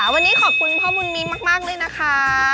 วันนี้ขอบคุณพ่อมุนมิ้นมากเลยนะคะ